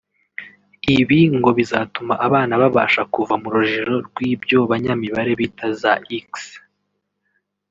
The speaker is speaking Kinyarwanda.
Ibi ngo bizatuma abana babasha kuva mu rujijo rw’ibyo banyamibare bita za X